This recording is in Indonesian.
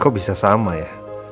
kau bisa sama ya